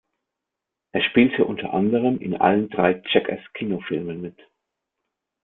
Er spielte unter anderem in allen drei "Jackass"-Kinofilmen mit.